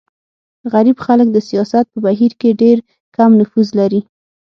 غریب خلک د سیاست په بهیر کې ډېر کم نفوذ لري.